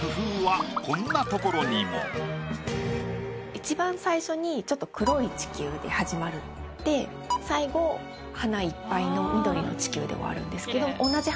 一番最初にちょっと黒い地球で始まって最後花いっぱいの緑の地球で終わるんですけど。